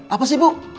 apa sih bu